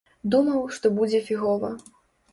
Думаў, што будзе фігова.